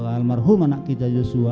almarhum anak kita joshua